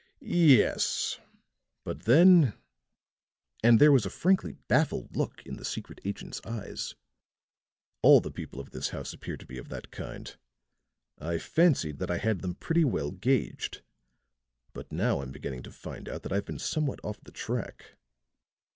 "Yes; but then," and there was a frankly baffled look in the secret agent's eyes, "all the people in this house appear to be of that kind. I fancied that I had them pretty well gauged; but now I'm beginning to find out that I've been somewhat off the track."